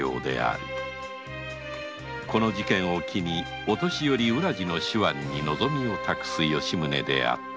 この事件を機に御年寄・浦路の手腕に望みを託す吉宗であった